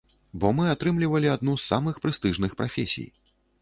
Бо мы атрымлівалі адну з самых прэстыжных прафесій.